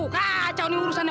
kacau nih urusannya